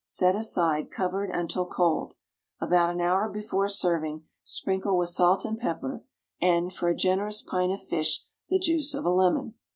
Set aside, covered, until cold. About an hour before serving, sprinkle with salt and pepper and (for a generous pint of fish) the juice of a lemon.